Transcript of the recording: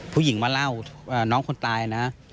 ผู้หญิงมาเล่าน้องคนตายนะ